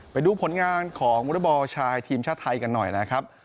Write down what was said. ไปดูผลงานของวอเตอร์บอลชายทีมชาติไทยกันหน่อยนะครับ